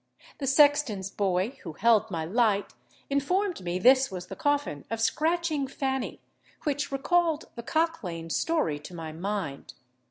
The sexton's boy, who held my light, informed me this was the coffin of Scratching Fanny, which recalled the Cock Lane story to my mind.